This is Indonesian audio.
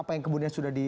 apa yang kemudian sudah di